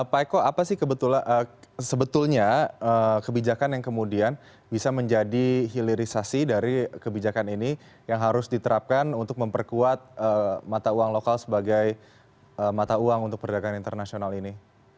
pak eko apa sih sebetulnya kebijakan yang kemudian bisa menjadi hilirisasi dari kebijakan ini yang harus diterapkan untuk memperkuat mata uang lokal sebagai mata uang untuk perdagangan internasional ini